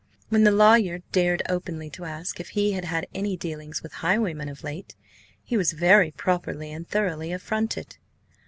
When the lawyer dared openly to ask if he had had any dealings with highwaymen of late, he was very properly and thoroughly affronted.